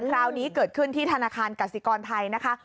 คราวนี้เกิดขึ้นที่ธนาคารกสิกรไทยนะคะ